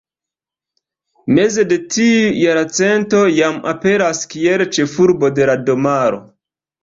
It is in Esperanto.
Meze de tiu jarcento, jam aperas kiel ĉefurbo de domaro.